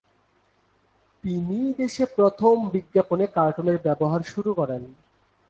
তিনিই দেশে প্রথম বিজ্ঞাপনে কার্টুনের ব্যবহার শুরু করেন।